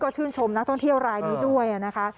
ชื่นชมนักท่องเที่ยวรายนี้ด้วยนะคะ